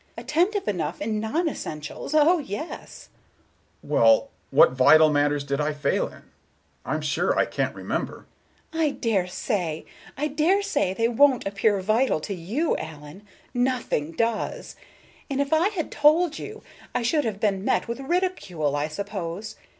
Attentive enough in non essentials. Oh, yes!" Mr. Richards: "Well, what vital matters did I fail in? I'm sure I can't remember." Miss Galbraith: "I dare say! I dare say they won't appear vital to you, Allen. Nothing does. And if I had told you, I should have been met with ridicule, I suppose.